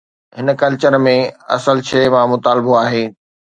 هن ڪلچر ۾ اصل شيءِ ”مان مطالبو“ آهي.